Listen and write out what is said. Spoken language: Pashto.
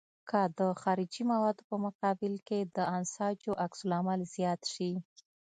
که د خارجي موادو په مقابل کې د انساجو عکس العمل زیات شي.